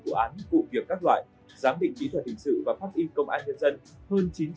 cụ việc các loại giám định kỹ thuật hình sự và phát in công an nhân dân hơn chín trăm bảy mươi bốn vụ việc